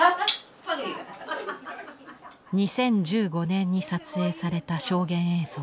２０１５年に撮影された証言映像。